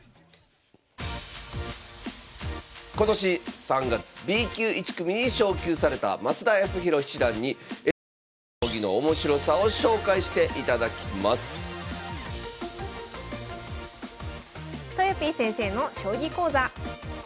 今年３月Ｂ級１組に昇級された増田康宏七段に江戸時代の将棋の面白さを紹介していただきますとよぴー先生の将棋講座。